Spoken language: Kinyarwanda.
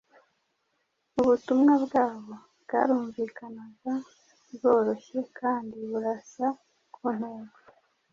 Ubutumwa bwabo bwarumvikanaga, bworoshye kandi burasa ku ntego.